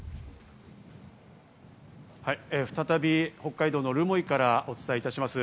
再び北海道の留萌からお伝えいたします。